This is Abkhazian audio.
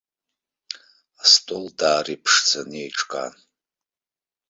Астол даара иԥшӡаны еиҿкаан.